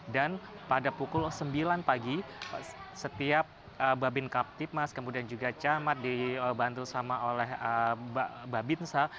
dan pada pukul sembilan pagi setiap babin kaptif mas kemudian juga camat dibantu oleh babinsa